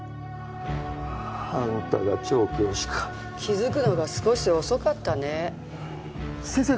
あんたが調教師か気づくのが少し遅かったね・先生